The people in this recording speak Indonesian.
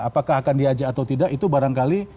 apakah akan diajak atau tidak itu barangkali